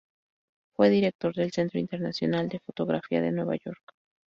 Fue director del Centro Internacional de Fotografía de Nueva York.